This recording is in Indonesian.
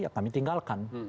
ya kami tinggalkan